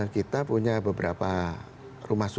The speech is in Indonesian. kita punya beberapa rumah sakit